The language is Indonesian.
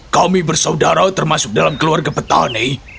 kami bersaudara termasuk dalam keluarga petani